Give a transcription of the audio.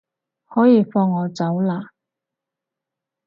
可以放我走喇